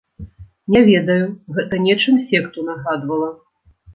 Не ведаю, гэта нечым секту нагадвала.